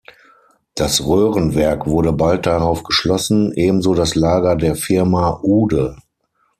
Das Röhrenwerk wurde bald darauf geschlossen, ebenso das Lager der Firma Uhde.